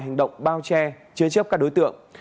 hành động bao che chế chấp các đối tượng